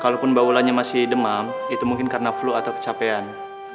kalaupun baulanya masih demam itu mungkin karena flu atau kecapean